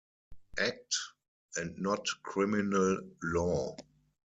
Act and not criminal law.